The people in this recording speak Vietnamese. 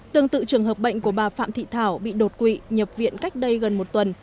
tương tự trường hợp bệnh của bà phạm thị thảo bị đột quỵ nhập viện cách đây gần một tuần